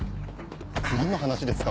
何の話ですか？